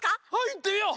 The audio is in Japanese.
いってみよう。